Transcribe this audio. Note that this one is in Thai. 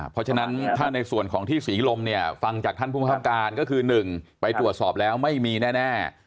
เพราะฉะนั้นถ้าในส่วนของที่ศรีลมเนี่ยฟังจากท่านผู้บังคับการก็คือ๑ไปตรวจสอบแล้วไม่มีแน่